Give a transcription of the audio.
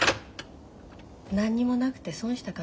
何にもなくて損したかな。